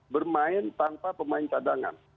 bermain tanpa pemain cadangan